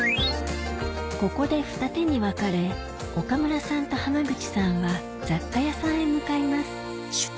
ここでふた手に分かれ岡村さんと濱口さんは雑貨屋さんへ向かいます